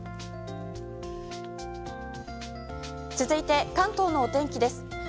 続いて、関東の天気です。